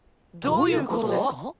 どういうことですか？